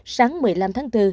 sáng một mươi năm tháng bốn